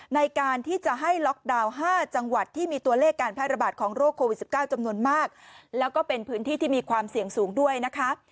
ในการที่จะให้ล็อกดาวน์๕จังหวัดที่มีตัวเลขการแพร่ระบาดของโรคโควิด๑๙จำนวนมากแล้วก็เป็นพื้นที่ที่มีความเสี่ยงสูงด้วยนะคะ